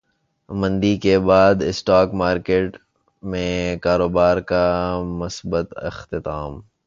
مندی کے بعد اسٹاک مارکیٹ میں کاروبار کا مثبت اختتام